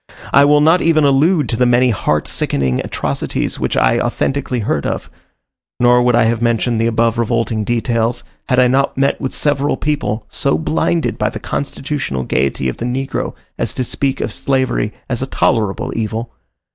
I will not even allude to the many heart sickening atrocities which I authentically heard of; nor would I have mentioned the above revolting details, had I not met with several people, so blinded by the constitutional gaiety of the negro as to speak of slavery as a tolerable evil.